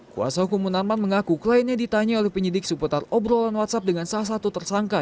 kuasa hukum munarman mengaku kliennya ditanya oleh penyidik seputar obrolan whatsapp dengan salah satu tersangka